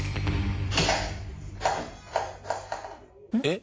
えっ？